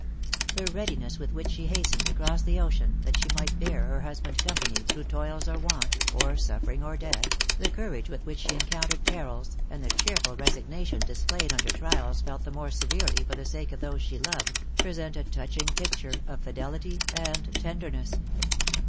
The readiness with which she hastened to cross the ocean that she might bear her husband company through toils or want, or suffering, or death, the courage with which she encountered perils, and the cheerful resignation displayed under trials felt the more severely for the sake of those she loved, present a touching picture of fidelity and tenderness.